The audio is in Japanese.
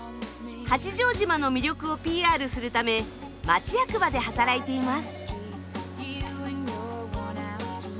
八丈島の魅力をＰＲするため町役場で働いています。